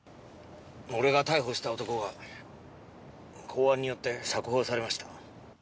俺が逮捕した男が公安によって釈放されました。